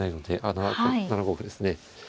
あっ７五歩ですね。